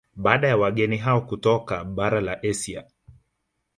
Baada ya wageni hao kutoka bara la Asia